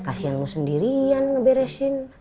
kasian gue sendirian ngeberesin